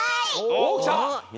おっきた！